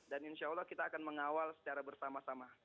dan insya allah kita akan mengawal secara bersama sama